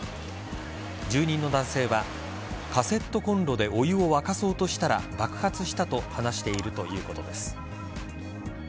住人の男性はカセットコンロでお湯を沸かそうとしたら爆発したと話しているということです。